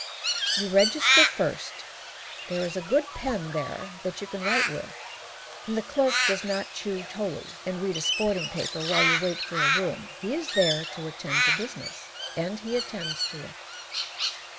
You register first. There is a good pen there that you can write with, and the clerk does not chew tolu and read a sporting paper while you wait for a room. He is there to attend to business, and he attends to it.